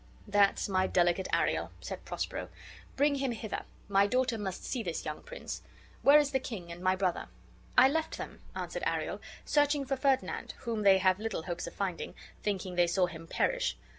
"That's my delicate Ariel," said Prospero. "Bring him hither: my daughter must see this young prince. Where is the king, and my brother?" "I left them," answered Ariel, "searching for Ferdinand, whom they have little hopes of finding, thinking they saw him perish.